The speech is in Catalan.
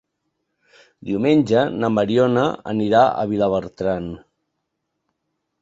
Diumenge na Mariona anirà a Vilabertran.